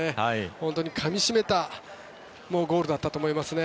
本当にかみ締めたゴールだったと思いますね。